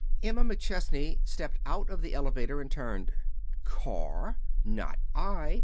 Emma McChesney stepped out of the elevator and turned. "Car! Not I!